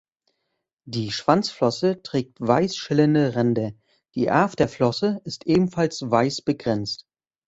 Die Schwanzflosse trägt weiß schillernde Ränder, die Afterflosse ist ebenfalls weiß begrenzt.